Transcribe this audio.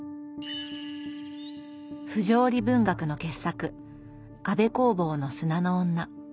不条理文学の傑作安部公房の「砂の女」。